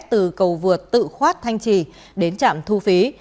từ cầu vượt tự khoát thanh trì đến trạm thu phí